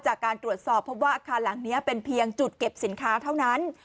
จากการตรวจสอบพบว่าอาคารหลังนี้เป็นเพียงจุดเก็บสินค้าเท่านั้น